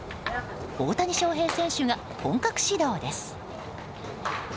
大谷翔平選手が本格始動です。